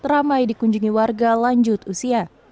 ramai dikunjungi warga lanjut usia